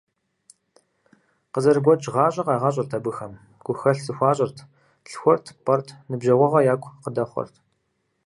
Къызэрыгуэкӏ гъащӏэ къагъэщӏырт абыхэм: гухэлъ зэхуащӏырт, лъхуэрт-пӏэрт, ныбжьэгъугъэ яку къыдэхъуэрт.